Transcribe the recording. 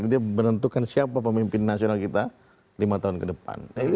jadi dia menentukan siapa pemimpin nasional kita lima tahun ke depan